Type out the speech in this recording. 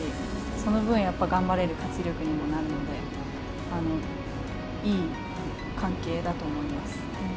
その分、やっぱ頑張れる活力にもなるので、いい関係だと思います。